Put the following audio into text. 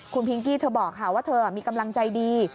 คุณพิงกี้เธอบอกค่ะว่าเธอมีกำลังใจดี